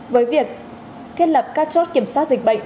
với việc thiết lập các chốt kiểm soát dịch bệnh